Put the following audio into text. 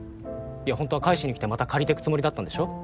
いやほんとは返しに来てまた借りてくつもりだったんでしょ？